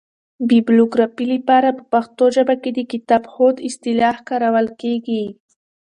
بیبلوګرافي له پاره په پښتو کښي دکتابښود اصطلاح کارول کیږي.